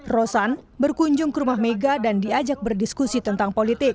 rosan berkunjung ke rumah mega dan diajak berdiskusi tentang politik